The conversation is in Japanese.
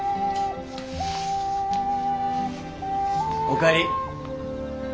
お帰り。